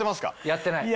やってない。